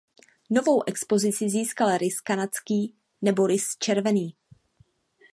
Novou expozici získal rys kanadský nebo rys červený.